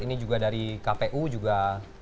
ini juga dari kpu juga